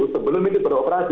sebelum itu beroperasi